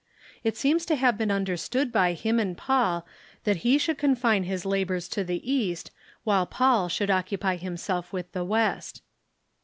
It seems to have been understood by him and Paul that he should confine his labors to the East, while Paul should occupy him self Avith the West.